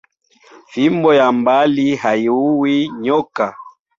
Fimbo ya mbali hayiuwi nyoka